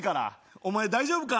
お前大丈夫か？